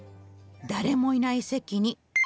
誰もいない席に。